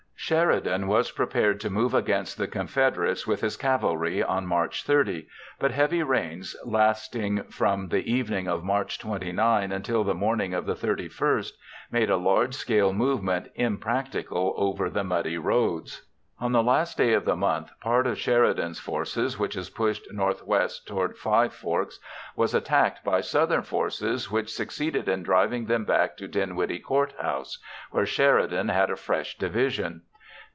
Sheridan was prepared to move against the Confederates with his cavalry on March 30, but heavy rains lasting from the evening of March 29 until the morning of the 31st made a large scale movement impracticable over the muddy roads. On the last day of the month, part of Sheridan's forces which has pushed northwest toward Five Forks was attacked by Southern forces which succeeded in driving them back to Dinwiddie Court House, where Sheridan had a fresh division.